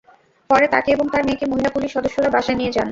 পরে তাঁকে এবং তাঁর মেয়েকে মহিলা পুলিশ সদস্যরা বাসায় দিয়ে যান।